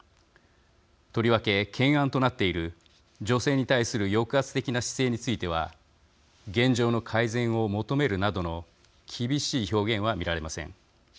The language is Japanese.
とりわけ懸案となっている女性に対する抑圧的な姿勢については現状の改善を求めるなどの厳しい表現は見られません。